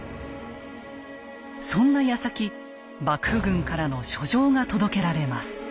そんなやさき幕府軍からの書状が届けられます。